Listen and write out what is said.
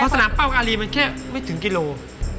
เพราะสนามเป้ากับอารีมันแค่ไม่ถึงกิโลกรัม